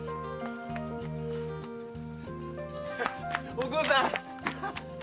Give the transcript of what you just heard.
お甲さん